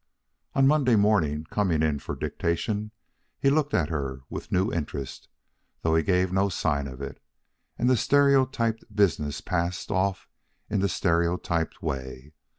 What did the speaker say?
On Monday morning, coming in for dictation, he looked at her with new interest, though he gave no sign of it; and the stereotyped business passed off in the stereotyped way.